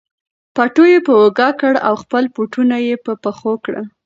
پټو یې په اوږه کړ او خپل بوټونه یې په پښو کړل.